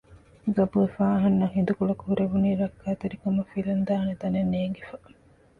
ގަބުވެފައި އަހަންނަށް ހިނދުކޮޅަކު ހުރެވުނީ ރައްކާތެރި ކަމަށް ފިލަން ދާނެ ތަނެއް ނޭނގިފަ